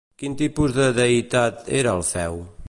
Quin tipus de deïtat era Alfeu?